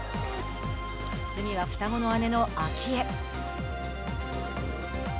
次は双子の姉の明愛。